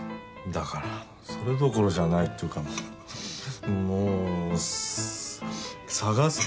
だからそれどころじゃないっていうかもう捜す価値すらない。